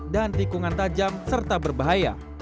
dan tikungan tajam serta berbahaya